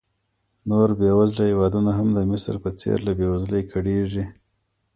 نور بېوزله هېوادونه هم د مصر په څېر له بېوزلۍ کړېږي.